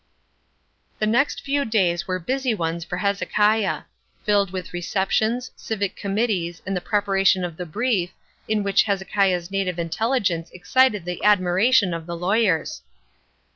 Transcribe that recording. The next few days were busy days for Hezekiah. Filled with receptions, civic committees, and the preparation of the brief, in which Hezekiah's native intelligence excited the admiration of the lawyers.